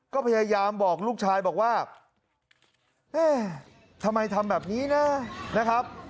ก็พยายามบอกลูกชายบอกว่าเอ๊ะทำไมทำแบบนี้นะนะครับ